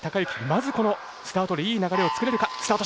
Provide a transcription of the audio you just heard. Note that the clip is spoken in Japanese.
まずスタートでいい流れを作れるか。